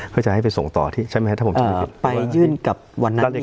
เขาจะให้ไปส่งต่อที่ใช่ไหมฮะถ้าผมเอ่อไปยื่นกับวันนั้นนี้